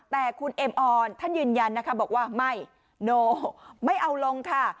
แต่คุณเอ็มออนท่านยืนยันนะคะบอกว่าไม่โนไม่เอาลงค่ะ